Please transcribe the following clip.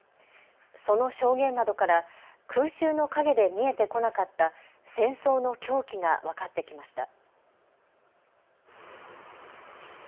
その証言などから空襲の陰で見えてこなかった戦争の狂気が分かってきました。